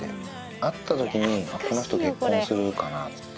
会った時にこの人結婚するかなって。